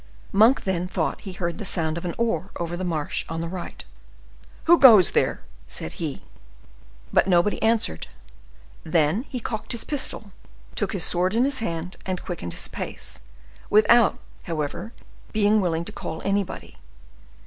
Monk then thought he heard the sound of an oar over the marsh on the right. "Who goes there?" said he. But nobody answered; then he cocked his pistol, took his sword in his hand, and quickened his pace, without, however, being willing to call anybody.